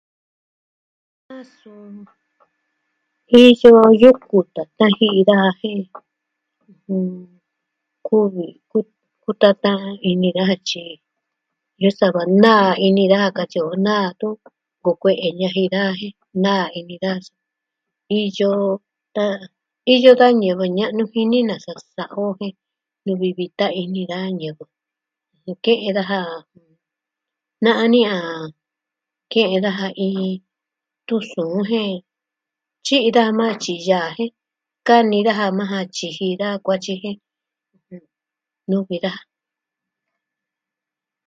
Iyo yuku tatan jin daja jen, ɨjɨn... kuvi, kutatan ini daja tyi iyo sava naa ini daja katyi o, naa tun... nkuu kue'e ñaji daja, naa ini daja. Iyo... ta... Iyo da ñivɨ ña'nu jini nasa sa'a o jen nuvi vitá ini da ñivɨ, jen ke'en daja, na'an ni a ke'en daja iin tusuun jen tyi'i daja maa jan tyiji yaa jen kani daja maa jan tyiji da kuatyi jen nuvi daja.